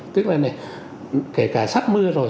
tức là này kể cả sắp mưa rồi